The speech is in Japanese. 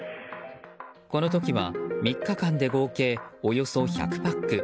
この時は３日間で合計およそ１００パック